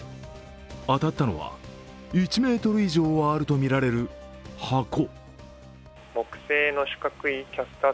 当たったのは１ｍ以上はあるとみられる箱。